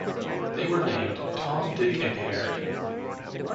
They were named Tom, Dick and Harry.